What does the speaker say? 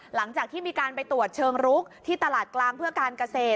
หลังจากที่มีการไปตรวจเชิงรุกที่ตลาดกลางเพื่อการเกษตร